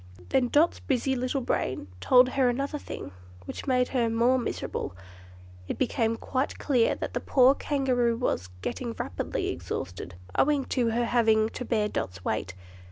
Then Dot's busy little brain told her another thing, which made her more miserable. It was quite clear that the poor Kangaroo was getting rapidly exhausted, owing to her having to bear Dot's weight.